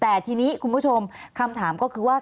แต่ทีนี้คุณผู้ชมคำถามก็คือว่า